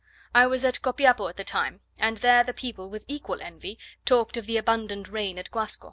I was at Copiapo at the time; and there the people, with equal envy, talked of the abundant rain at Guasco.